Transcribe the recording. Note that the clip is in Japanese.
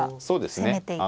そうですね